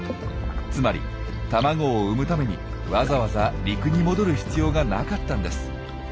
つまり卵を産むためにわざわざ陸に戻る必要がなかったんです。